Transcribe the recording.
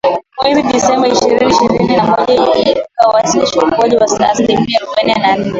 mwezi Disemba ishirini ishirini na moja ikiwasilisha ukuaji wa asilimia arobaini nne